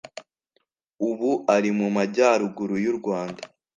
ubu ari mu majyaruguru y'urwanda